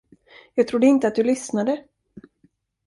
Jag trodde inte att du lyssnade.